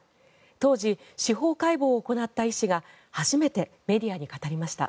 当時、司法解剖を行った医師が初めてメディアに語りました。